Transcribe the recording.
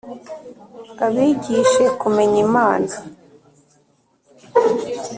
abigishe kumenya imana.